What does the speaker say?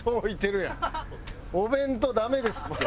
お弁当ダメですって。